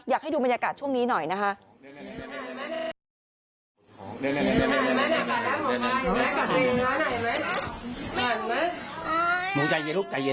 อยากให้ดูบรรยากาศช่วงนี้หน่อยนะคะ